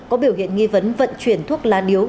có biểu hiện nghi vấn vận chuyển thuốc lá điếu